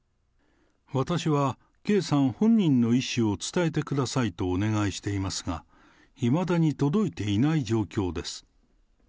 私は圭さん本人の意思を伝えてくださいとお願いしていますが、いまだに届いていない状況です。